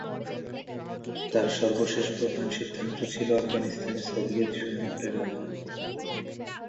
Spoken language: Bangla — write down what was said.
তার সর্বশেষ প্রধান সিদ্ধান্ত ছিল আফগানিস্তানে সোভিয়েত সৈন্য প্রেরণ।